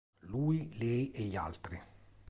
Lui, lei e gli altri